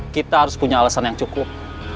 kita harus punya alasan yang cukup